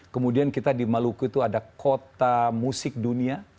kemudian kita di maluku itu ada kota musik dunia